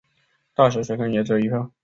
大学学生也只有一票